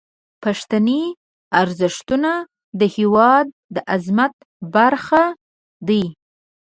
پښتني ارزښتونه د هیواد د عظمت برخه دي.